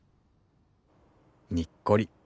にっこり。